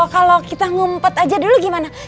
kalau kita ngumpet aja dulu gimana